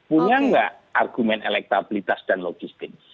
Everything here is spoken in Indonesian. punya nggak argumen elektabilitas dan logistik